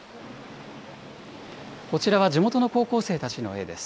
こちらは地元の高校生たちの絵です。